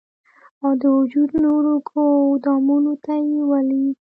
او د وجود نورو ګودامونو ته ئې ولي